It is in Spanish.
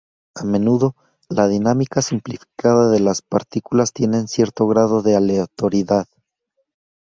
A menudo, la dinámica simplificada de las "partículas" tiene cierto grado de aleatoriedad.